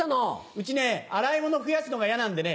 うちね洗い物増やすのが嫌なんでね